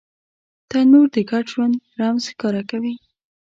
تنور د ګډ ژوند رمز ښکاره کوي